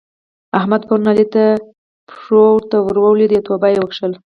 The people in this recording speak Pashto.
احمد پرون علي ته پښو ته ور ولېد او توبه يې وکښه.